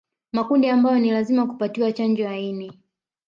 Makundi ambayo ni lazima kupatiwa chanjo ya homa ya ini